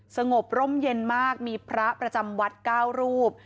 สงบร่มเย็นมากมีพระประจำวัด๙รูป